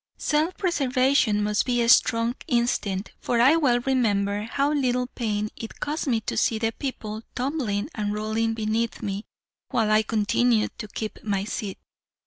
"Self preservation must be a strong instinct, for I well remember how little pain it cost me to see the people tumbling and rolling beneath me, while I continued to keep my seat.